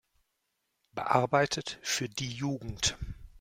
Bearbeitet für die Jugend“.